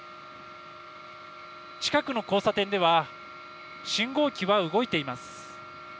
近くの交差点では、信号機は動いています。